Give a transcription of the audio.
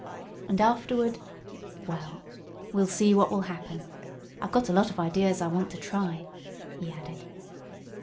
And afterward, well, we'll see what will happen. I've got a lot of ideas I want to try," he added.